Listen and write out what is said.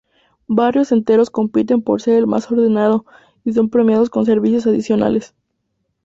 Barrios enteros compiten por ser el más ordenado y son premiados con servicios adicionales.